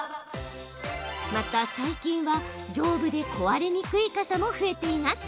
また、最近は丈夫で壊れにくい傘も増えています。